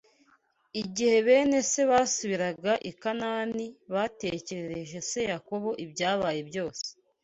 Igihe bene se basubiraga i Kanaani batekerereje se Yakobo ibyabaye byose